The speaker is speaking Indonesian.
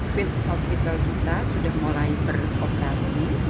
fit hospital kita sudah mulai beroperasi